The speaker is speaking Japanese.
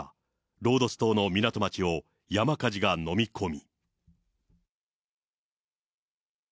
ロードス島の港町を山火事が飲み込み。